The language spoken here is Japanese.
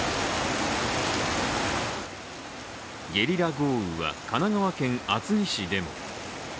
ゲリラ豪雨は神奈川県厚木市でも。